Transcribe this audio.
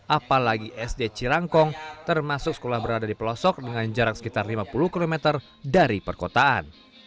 apalagi sd cirangkong termasuk sekolah berada di pelosok dengan jarak sekitar lima puluh km dari perkotaan